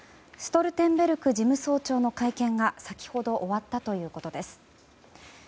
ストルテンベルグ事務総長の会見が先ほど終わったということです。